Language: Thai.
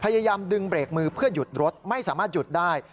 พยายามดึงเบรกมือเพื่อหยุดรถไม่สามารถหยุดได้